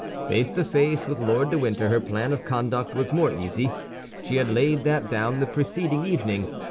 Face to face with Lord de Winter her plan of conduct was more easy. She had laid that down the preceding evening.